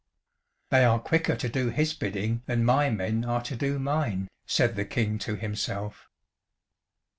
"They are quicker to do his bidding than my men are to do mine," said the King to himself.